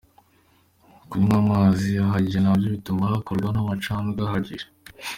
Kunywa amazi ahagije nabyo bituma hakorwa n’amacandwe ahagije.